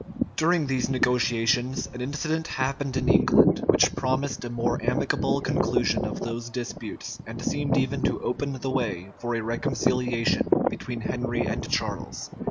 } During these negotiations, an incident happened in England, which promised a more amicable conclusion of those disputes, and seemed even to open the way for a reconciliation between Henry and Charles.